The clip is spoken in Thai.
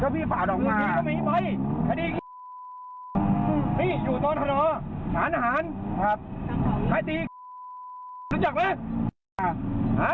พี่ป่าดอกมา